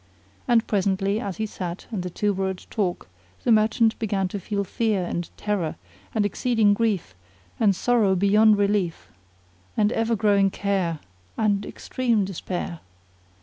And presently as he sat and the two were at talk the merchant began to feel fear and terror and exceeding grief and sorrow beyond relief and ever growing care and extreme despair.